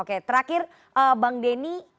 oke terakhir bang denny